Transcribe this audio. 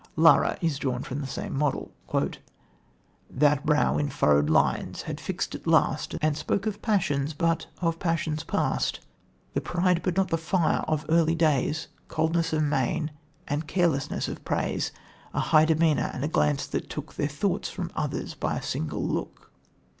Lara is drawn from the same model: "That brow in furrowed lines had fixed at last And spoke of passions, but of passions past; The pride but not the fire of early days, Coldness of mien, and carelessness of praise; A high demeanour and a glance that took Their thoughts from others by a single look."